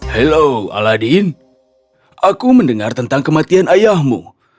halo aladin aku mendengar tentang kematian ayahmu